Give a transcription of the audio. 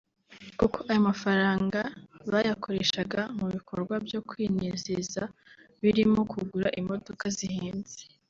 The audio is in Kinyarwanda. kuko ayo mafaranga bayakoreshaga mu bikorwa byo kwinezeza birimo kugura imodoka zihenze